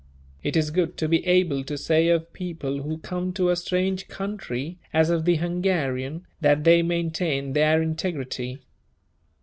It is good to be able to say of people who come to a strange country, as of the Hungarian, that they maintain their integrity.